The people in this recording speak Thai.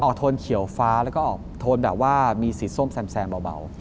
โทนเขียวฟ้าแล้วก็ออกโทนแบบว่ามีสีส้มแซมเบา